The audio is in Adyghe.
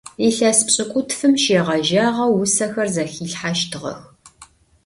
Yilhes pş'ık'utfım şêğejağeu vusexer zexilhheştığex.